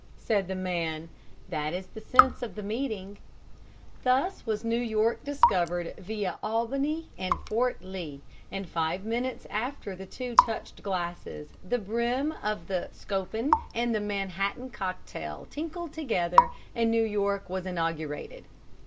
Said the man, "That is the sense of the meeting." Thus was New York discovered via Albany and Fort Lee, and five minutes after the two touched glasses, the brim of the schoppin and the Manhattan cocktail tinkled together, and New York was inaugurated.